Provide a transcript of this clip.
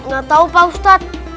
gak tau pak ustaz